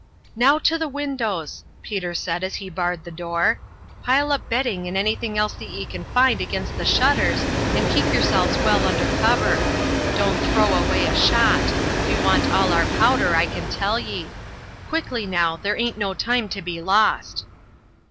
"Now to the windows," Peter said as he barred the door. "Pile up bedding and anything else that ye can find against the shutters, and keep yerselves well under cover. Don't throw away a shot; we'll want all our powder, I can tell ye. Quickly, now there aint no time to be lost."